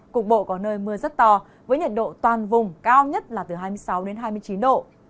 cục bộ có nơi mưa rất to với nhiệt độ toàn vùng cao nhất là từ hai mươi sáu đến hai mươi chín độ